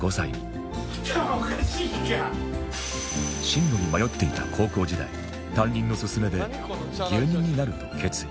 進路に迷っていた高校時代担任の勧めで芸人になると決意